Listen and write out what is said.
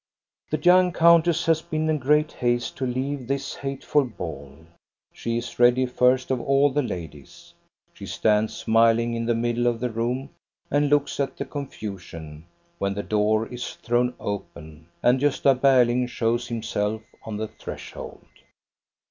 The young countess has been in great haste to leave this hateful ball. She is ready first of all the ladies. She stands smiling in the middle of the room and looks at the confusion, when the door is thrown open, and Gosta Berling shows himself on the threshold.